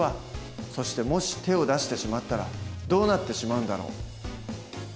そしてもし手を出してしまったらどうなってしまうんだろう？